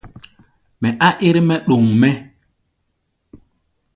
Mɛ á ɛ́r-mɛ́ ɗoŋ mɛ́.